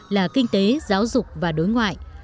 là kinh tế giáo dục và đối ngoại